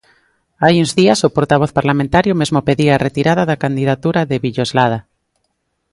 Hai uns días, o portavoz parlamentario mesmo pedía a retirada da candidatura de Villoslada.